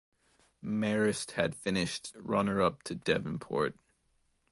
Marist had finished runner up to Devonport.